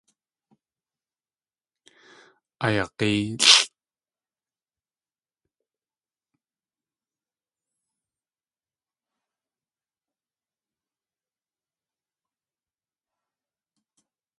Ayag̲éelʼ.